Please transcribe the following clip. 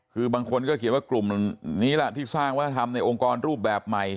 คือบางคนก็เขียนว่ากลุ่มนี้ล่ะที่สร้างวัฒนธรรมในองค์กรรูปแบบใหม่